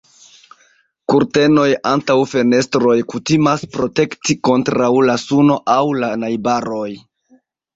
Kurtenoj antaŭ fenestroj kutimas protekti kontraŭ la suno aŭ la najbaroj.